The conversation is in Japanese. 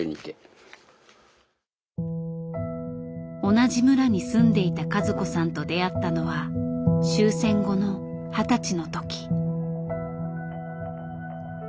同じ村に住んでいた和子さんと出会ったのは終戦後の二十歳の時。